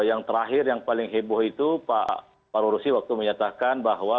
yang terakhir yang paling heboh itu pak paru rusi waktu menyatakan bahwa